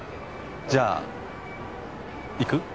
じゃあ行く？